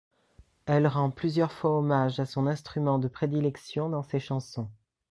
Elle rend plusieurs fois hommage à son instrument de prédilection dans ses chansons.